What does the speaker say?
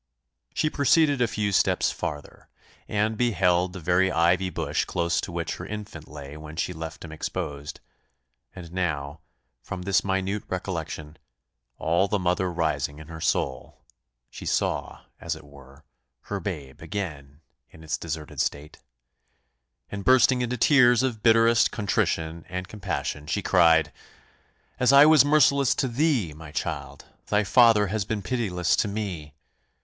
She proceeded a few steps farther, and beheld the very ivy bush close to which her infant lay when she left him exposed; and now, from this minute recollection, all the mother rising in her soul, she saw, as it were, her babe again in its deserted state; and bursting into tears of bitterest contrition and compassion, she cried "As I was merciless to thee, my child, thy father has been pitiless to me!